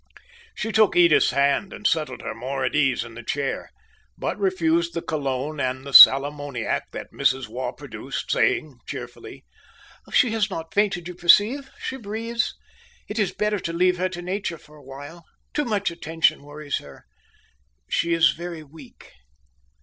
She took Edith's hand, and settled her more at ease in the chair but refused the cologne and the salammoniac that Mrs. Waugh produced, saying, cheerfully: "She has not fainted, you perceive she breathes it is better to leave her to nature for a while too much attention worries her she is very weak."